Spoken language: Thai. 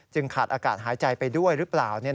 ขาดอากาศหายใจไปด้วยหรือเปล่า